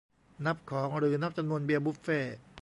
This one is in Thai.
นับของ หรือนับจำนวนเบียร์บุฟเฟต์